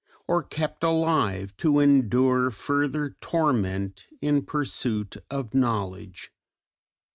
or kept alive to endure further torment, in pursuit of knowledge?